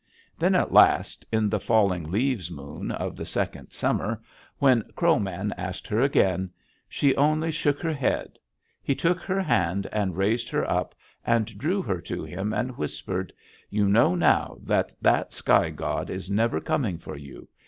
Then, at last, in the Falling Leaves moon of the second summer, when Crow Man asked her again, and she only shook her head, he took her hand and raised her up and drew her to him and whispered: 'You know now that that sky god is never coming for you.